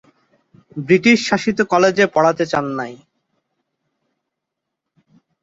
British শাসিত কলেজে পড়াতে চাননি।